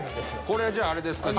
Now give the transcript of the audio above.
これじゃああれですか？